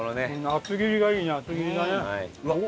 厚切りがいいね厚切りがね。